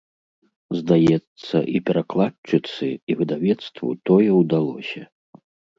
Здаецца, і перакладчыцы, і выдавецтву тое ўдалося.